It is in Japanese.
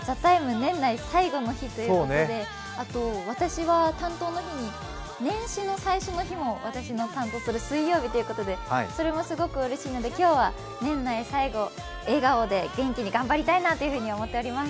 年内最後の日ということで私は担当の日に、年始の最初の日も私の担当する水曜日ということで、それもすごくうれしいので今日は年内最後笑顔で元気に頑張りたいなと思っています。